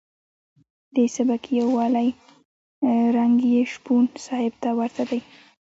د سبکي یوالي رنګ یې شپون صاحب ته ورته دی.